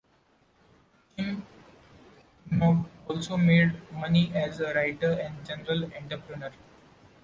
Jin Nong also made money as a writer and general entrepreneur.